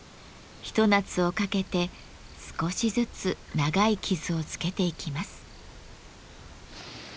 一夏をかけて少しずつ長い傷をつけていきます。